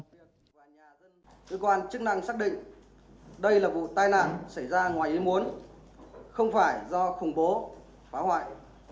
việc mà chức năng xác định đây là vụ tai nạn xảy ra ngoài ý muốn không phải do khủng bố phá hoại